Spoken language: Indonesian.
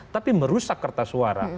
tapi merusak kertas suara